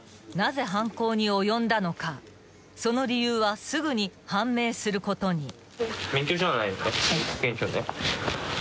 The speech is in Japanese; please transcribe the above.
［なぜ犯行に及んだのかその理由はすぐに判明することに］